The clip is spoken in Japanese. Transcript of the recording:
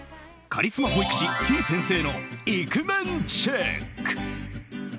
カリスマ保育士てぃ先生のイクメンチェック。